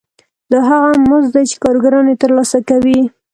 دا هغه مزد دی چې کارګران یې ترلاسه کوي